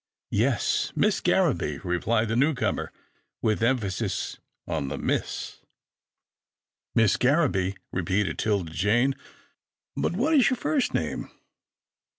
Yes, Miss Garraby," replied the newcomer, with emphasis on the Miss. 12 A CONFLICT OF WILLS 13 " Miss Garraby," repeated 'Tilda Jane, but what is your first name?